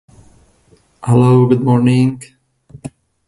They go from their work to Stratford or to Plaistow.